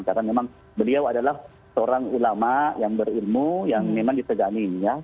karena memang beliau adalah seorang ulama yang berilmu yang memang disegani ya